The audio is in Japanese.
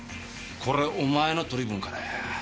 これお前の取り分からや。